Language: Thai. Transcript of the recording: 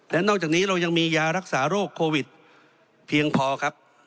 และนอกจากนี้เรายังมียารักษาโรคโควิดเพียงพอครับ